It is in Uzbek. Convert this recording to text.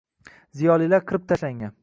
Ziyolilar qirib tashlangan.